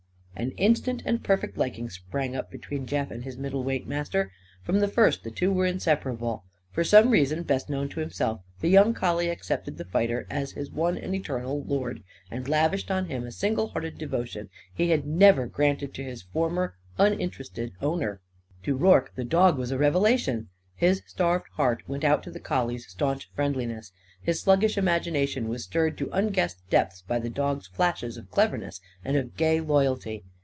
An instant and perfect liking sprang up between Jeff and his middleweight master. From the first the two were inseparable. For some reason best known to himself, the young collie accepted the fighter as his one and eternal lord; and lavished on him a single hearted devotion he had never granted to his former uninterested owner. To Rorke the dog was a revelation. His starved heart went out to the collie's staunch friendliness. His sluggish imagination was stirred to unguessed depths by the dog's flashes of cleverness and of gay loyalty.